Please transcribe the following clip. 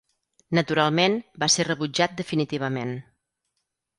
Naturalment va ser rebutjat definitivament.